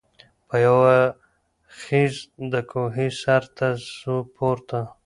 په یوه خېز د کوهي سرته سو پورته